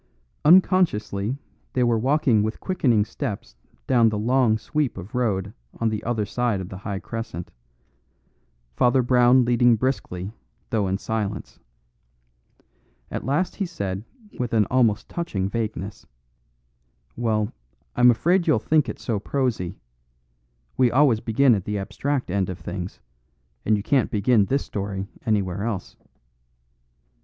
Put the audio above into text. Unconsciously they were walking with quickening steps down the long sweep of road on the other side of the high crescent, Father Brown leading briskly, though in silence. At last he said with an almost touching vagueness, "Well, I'm afraid you'll think it so prosy. We always begin at the abstract end of things, and you can't begin this story anywhere else.